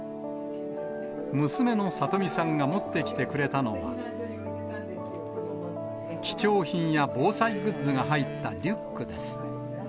娘の公美さんが持ってきてくれたのは、貴重品や防災グッズが入ったリックです。